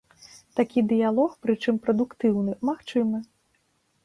Такі дыялог, прычым прадуктыўны, магчымы.